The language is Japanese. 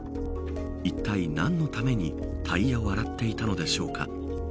いったい、何のためにタイヤを洗っていたのでしょうか。